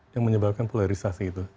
yang menyebabkan polarisasi itu